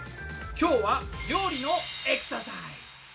今日は料理のエクササイズ。